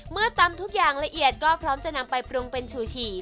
ตำทุกอย่างละเอียดก็พร้อมจะนำไปปรุงเป็นชูฉี่